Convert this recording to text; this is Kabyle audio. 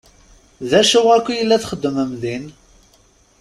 D acu akka i la txeddmem din?